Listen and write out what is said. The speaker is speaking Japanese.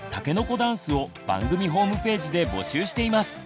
ダンスを番組ホームページで募集しています。